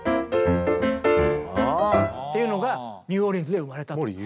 っていうのがニューオーリンズで生まれたと。